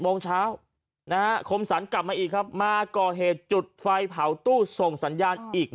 โมงเช้าคมสรรกลับมาอีกครับมาก่อเหตุจุดไฟเผาตู้ส่งสัญญาณอีก